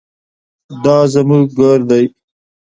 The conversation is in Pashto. دا زموږ ګور دی؟